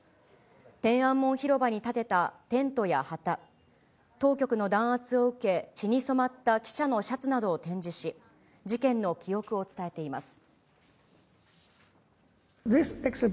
天安門広場に建てたテントや旗、当局の弾圧を受け、血に染まった記者のシャツなどを展示し、事件の記憶を伝えています。